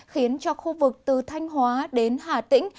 khiến cho khu vực từ thanh hóa đến hà tĩnh